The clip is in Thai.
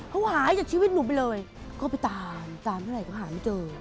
เขาหายจากชีวิตหนูไปเลยก็ไปตามตามเท่าไหร่ก็หาไม่เจอ